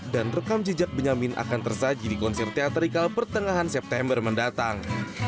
dan rekam jejak benyamin akan tersaji di konser teaterikal pertengahan september mendatang